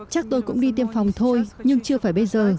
chắc tôi cũng đi tiêm phòng thôi nhưng chưa phải bây giờ